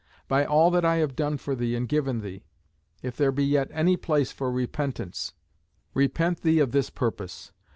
By all that I have done for thee and given thee, if there be yet any place for repentance, repent thee of this purpose.